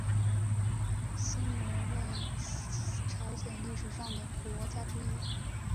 新罗为朝鲜历史上的国家之一。